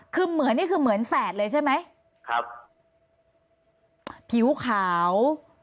คือเหมือนนี่คือเหมือนแฝดเลยใช่ไหมครับผิวขาว